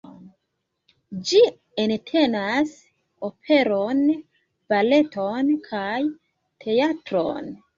Ĝi entenas operon, baleton kaj teatron.